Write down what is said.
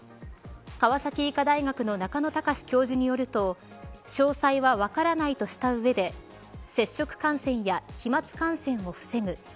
川崎医科大学の中野貴司教授によると詳細は分からないとした上で接触感染や飛まつ感染を防ぐ。